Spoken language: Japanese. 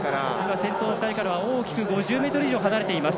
先頭の２人からは大きく５０ｍ以上離れています。